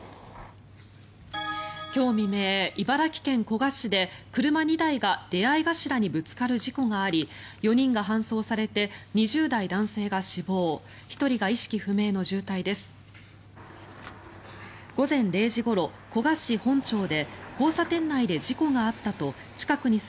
今日未明、茨城県古河市で車２台が出合い頭にぶつかる事故があり４人が搬送されて２０代男性が死亡１人が意識不明の重体です。